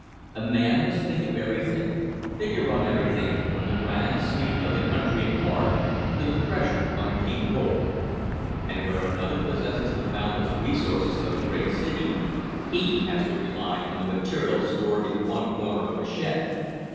A man must think of everything, figure on everything, from the grand sweep of the country at large to the pressure on a king bolt. And where another possesses the boundless resources of a great city, he has to rely on the material stored in one corner of a shed.